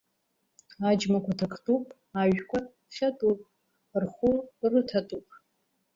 Аџьмақәа ҭактәуп, ажәқәа хьатәуп, рхәы рыҭатәуп…